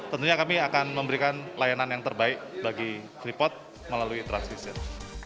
tentunya kami akan memberikan layanan yang terbaik bagi freeport melalui transvisit